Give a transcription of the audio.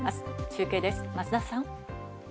中継です、増田さん。